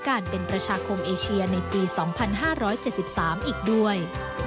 การเป็นประชาคมเอเชียในปี๒๕๗๓อีกด้วย